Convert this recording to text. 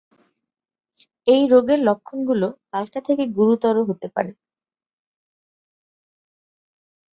এই রোগের লক্ষণগুলো হালকা থেকে গুরুতর হতে পারে।